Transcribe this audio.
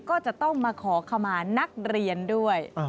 ก็จะต้องมาขอขมานักเรียนด้วย